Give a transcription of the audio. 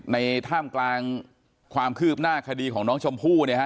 ท่ามกลางความคืบหน้าคดีของน้องชมพู่เนี่ยฮะ